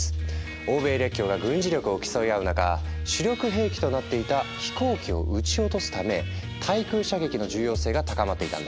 欧米列強が軍事力を競い合う中主力兵器となっていた飛行機を撃ち落とすため対空射撃の重要性が高まっていたんだ。